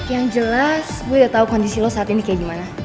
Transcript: yang jelas gue udah tahu kondisi lo saat ini kayak gimana